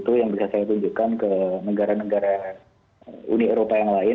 itu yang bisa saya tunjukkan ke negara negara uni eropa yang lain